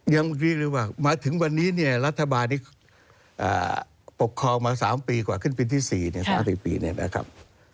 อย่างนี้เลยว่ามาถึงวันนี้เนี่ยรัฐบาลที่ปกครองมา๓ปีกว่าขึ้นปีที่๔๓๔ปีเนี่ยนะครับ